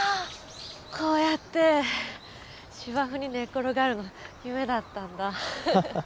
こうやって芝生に寝転がるの夢だったんだ。